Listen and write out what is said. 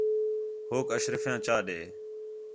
ہوک اشرفیاں چا ݙے